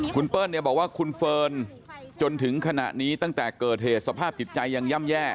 คุณเปิ้ลบอกว่าคุณเฟิร์นจนถึงขณะนี้ตั้งแต่เกิดเหตุสภาพจิตใจยังย่ำแย่